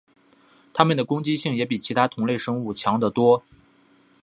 它们的攻击性也比其他同类生物强得多。